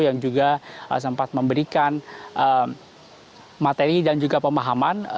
yang juga sempat memberikan materi dan juga pemahaman